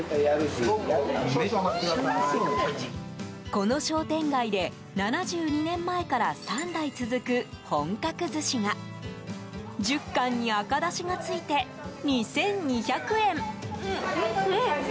この商店街で７２年前から３代続く本格寿司が１０貫に赤だしがついて２２００円。